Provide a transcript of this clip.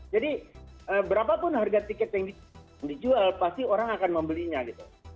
jadi berapapun harga tiket yang dijual pasti orang akan membelinya gitu